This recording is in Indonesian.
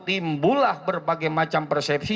timbulah berbagai macam persepsi